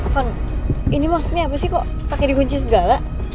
fon ini maksudnya apa sih kok pake digunci segala